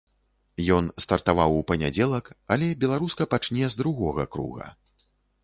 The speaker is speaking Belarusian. Ён стартаваў у панядзелак, але беларуска пачне з другога круга.